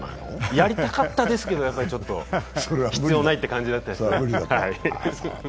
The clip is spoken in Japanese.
やりたかったですけど、やっぱりちょっと、必要ないという感じだったですね。